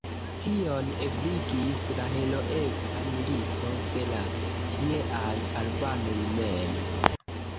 Tion ebligis la heroeca milito de la tieaj albanoj mem.